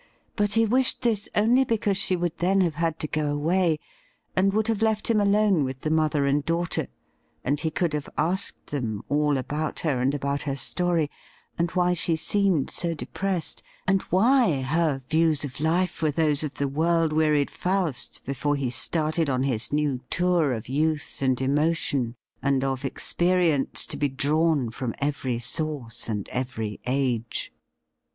But he wished this only because she would then have had to go away, and would have left him alone with the mother and daughter, and he could have asked them all about her and about her story, and why she «eemed so depressed, and why her views of life were those of the world wearied Faust before he started on his new tour of youth and emotion and of experience to be drawn '£:om every source and every age.